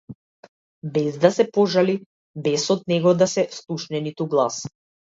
Без да се пожали, без од него да се слушне ниту глас.